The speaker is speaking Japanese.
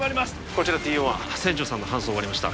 こちらＴＯ１船長さんの搬送終わりました